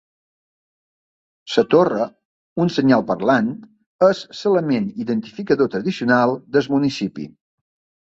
La torre, un senyal parlant, és l'element identificador tradicional del municipi.